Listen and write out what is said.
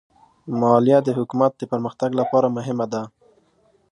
مالیه د حکومت د پرمختګ لپاره مهمه ده.